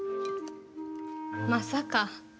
まさか。